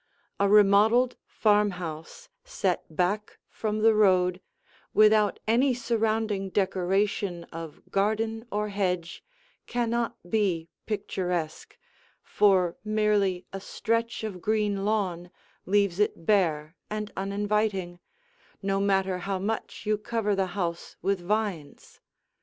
A remodeled farmhouse set back from the road without any surrounding decoration of garden or hedge cannot be picturesque, for merely a stretch of green lawn leaves it bare and uninviting, no matter how much you cover the house with vines.